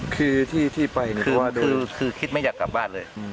คือที่ไปหรือว่าคือคิดไม่อยากกลับบ้านเลย